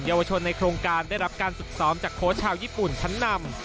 เยาวชนในโครงการได้รับการฝึกซ้อมจากโค้ชชาวญี่ปุ่นชั้นนำ